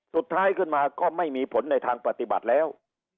สุดท้ายขึ้นมาก็ไม่มีผลในทางปฏิบัติแล้ว